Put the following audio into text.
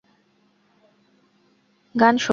গান শোনাও।